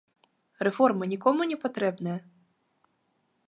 Рэформы нікому не патрэбныя?